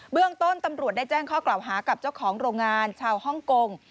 เรื่องต้นตำรวจได้แจ้งข้อกล่าวหากับเจ้าของโรงงานชาวฮ่องกง